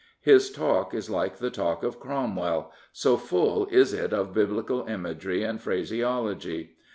His talk is like the talk of Cromwell, so full is it of Biblical imagery and phrase ology.